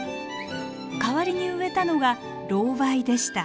代わりに植えたのがロウバイでした。